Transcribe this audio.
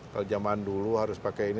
kalau zaman dulu harus pakai ini